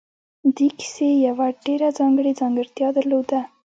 دې کیسې یوه ډېره ځانګړې ځانګړتیا درلوده